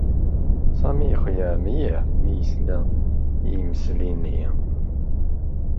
Sami yexleɛ mliḥ mi yesla i yimesli-nni.